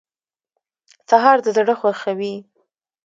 سهار د زړه خوښوي.